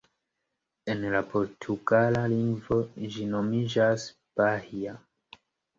En la portugala lingvo, ĝi nomiĝas "Bahia".